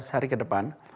empat belas hari ke depan